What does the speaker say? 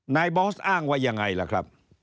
บอสอ้างว่ายังไงล่ะครับ